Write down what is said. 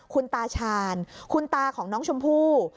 คุณตาชาญคุณตาของน้องชมพู่